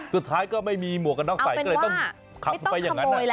สุดท้ายก็ไม่มีหมวกกันน็อกใส่ก็เลยต้องขับไปอย่างนั้น